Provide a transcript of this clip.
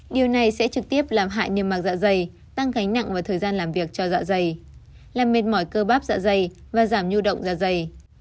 điều này sẽ trực tiếp làm hại niềm mạc dạ dày tăng gánh nặng và thời gian làm việc cho dạ dày làm mệt mỏi cơ bắp dạ dày và giảm nhu động da dày